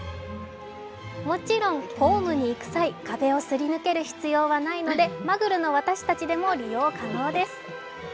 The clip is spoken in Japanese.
もちろん、ホームに行く際壁をすり抜ける必要はないのでマグルの私たちでも利用可能です。